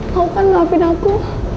kau kan maafin aku